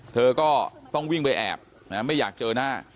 เธอก็ต้องวิ่งไปแอบไม่อยากเจอหน้า